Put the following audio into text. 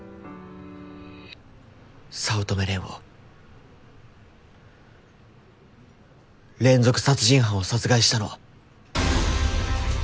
早乙女蓮を連続殺人犯を殺害したのは。